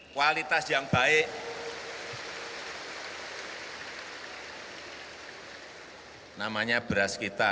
kualitas yang baik namanya beras kita